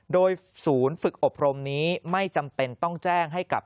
โดยศูนย์ฝึกอบรมนี้ไม่จำเป็นต้องแจ้งให้กับ